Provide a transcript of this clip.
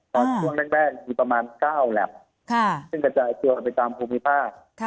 ตอนช่วงแรงแบ้งอยู่ประมาณ๙แหลบซึ่งกระจายตรวจไปตามภูมิภาพ